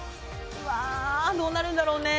うわどうなるんだろうね？